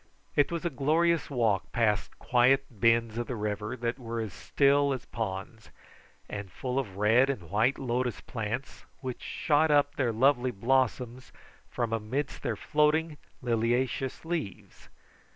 It was a glorious walk past quiet bends of the river that were as still as ponds, and full of red and white lotus plants which shot up their lovely blossoms from amidst their floating liliaceous leaves.